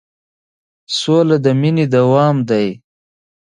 سوله د مینې دوام دی.